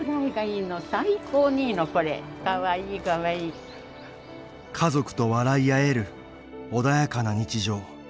もうね家族と笑い合える穏やかな日常。